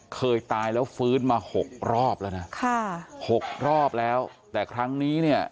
เคยตายแล้วฟื้นมาหกรอบแล้วนะค่ะหกรอบแล้วแต่ครั้งนี้เนี่ย